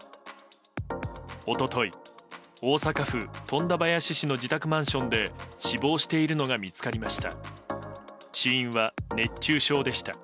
一昨日、大阪府富田林市の自宅マンションで死亡しているのが見つかりました。